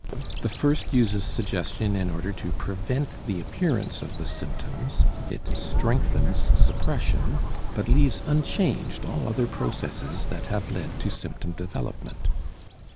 The first uses suggestion in order to prevent the appearance of the symptoms, it strengthens suppression, but leaves unchanged all other processes that have led to symptom development.